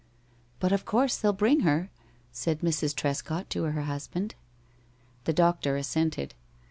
"But of course they'll bring her," said Mrs. Trescott to her husband. The doctor assented.